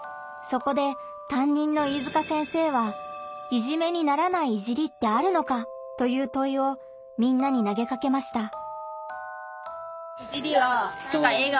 そこでたんにんの飯塚先生は「“いじめ”にならない“いじり”ってあるのか？」というといをみんなに投げかけました。